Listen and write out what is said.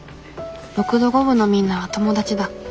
６度５分のみんなは友達だ。